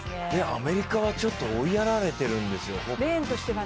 アメリカはちょっと追いやられてるんですよ。